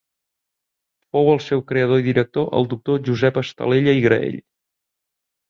Fou el seu creador i director el doctor Josep Estalella i Graell.